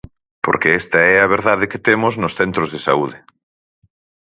Porque esta é a verdade que temos nos centros de saúde.